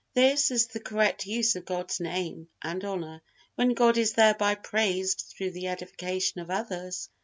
This is the correct use of God's Name and honor, when God is thereby praised through the edification of others.